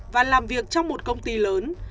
và làm việc trong một công ty lớn